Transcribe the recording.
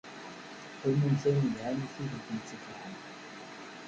Xedmemt ayen ilhan i tid i kent-ikeṛhen.